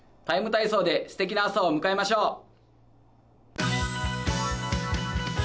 「ＴＩＭＥ，体操」ですてきな朝を迎えましょう。